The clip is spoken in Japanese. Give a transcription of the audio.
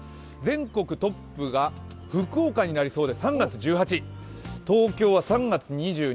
全国トップが福岡になりそうで３月１８、東京は３月２２